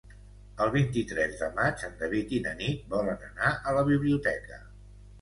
El vint-i-tres de maig en David i na Nit volen anar a la biblioteca.